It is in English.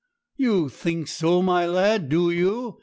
'You think so, my lad, do you?